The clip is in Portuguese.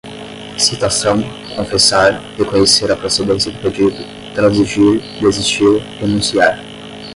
citação, confessar, reconhecer a procedência do pedido, transigir, desistir, renunciar